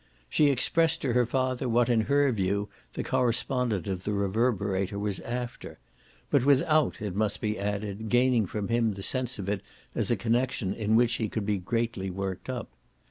She expressed to her father what in her view the correspondent of the Reverberator was "after"; but without, it must be added, gaining from him the sense of it as a connexion in which he could be greatly worked up.